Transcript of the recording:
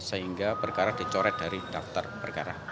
sehingga perkara dicoret dari daftar perkara